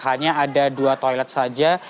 hanya ada dua toilet saja